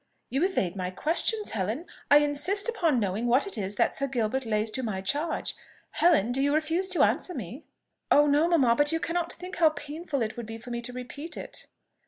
"You evade my questions, Helen. I insist upon knowing what it is that Sir Gilbert lays to my charge. Helen! do you refuse to answer me?" "Oh no, mamma! but you cannot think how painful it would be for me to repeat it!"